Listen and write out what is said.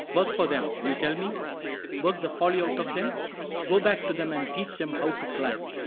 " Work for them. You tell me ? Work the folly out of them ? Go back to them and teach them how to climb.